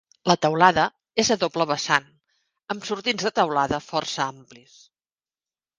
La teulada és a doble vessant amb sortints de teulada força amplis.